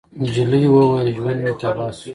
نجلۍ وويل: ژوند مې تباه شو.